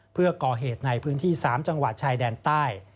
เพื่อก่อเหตุในพื้นที่๓จังหวัดชายแดนใต้